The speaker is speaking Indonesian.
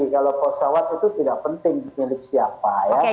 kalau pesawat itu tidak penting